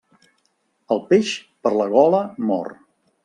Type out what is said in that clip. El peix, per la gola mor.